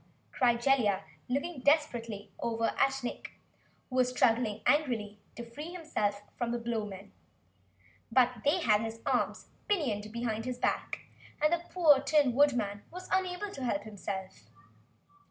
cried Jellia, looking desperately over at Nick who was struggling angrily to free himself from the Blowmen. But they had his arms pinioned behind his back, and the poor Tin Woodman was unable to help himself.